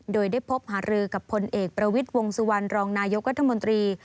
โดยได้พบหารือกับพลเอกประวิทย์วงสุวรรณรองนายกรัฐมนตรี